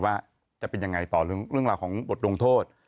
ว่าจะเป็นยังไงบอกเรื่องหลักของบทโดงโทษ